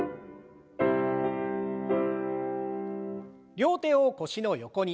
両手を腰の横に。